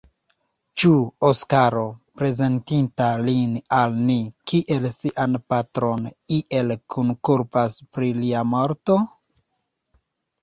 Ĉu Oskaro, prezentinta lin al ni, kiel sian patron, iel kunkulpas pri lia morto?